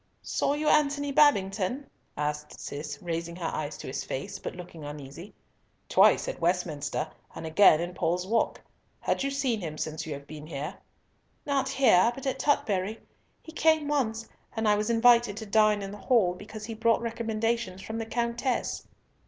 "Saw you Antony Babington?" asked Cis, raising her eyes to his face, but looking uneasy. "Twice, at Westminster, and again in Paul's Walk. Had you seen him since you have been here?" "Not here, but at Tutbury. He came once, and I was invited to dine in the hall, because he brought recommendations from the Countess."